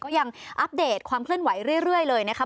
ยังอัปเดตความเคลื่อนไหวเรื่อยเลยนะคะ